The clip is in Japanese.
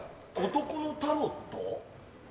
「男のタロット」。